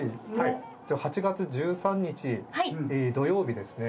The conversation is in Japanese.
８月１３日土曜日ですね